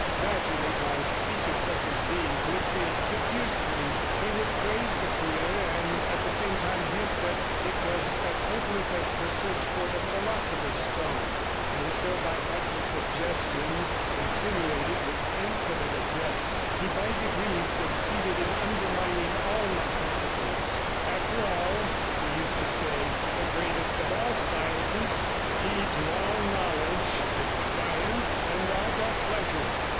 '" Gradually, by speeches such as these, Lipsius seduced me: he would praise the career, and at the same time hint that it was as hopeless as the search for the philosopher's stone, and so by artful suggestions, insinuated with infinite address, he by degrees succeeded in undermining all my principles. 'After all,' he used to say, 'the greatest of all sciences, the key to all knowledge, is the science and art of pleasure.